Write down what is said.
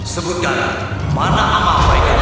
sebutkan mana apa yang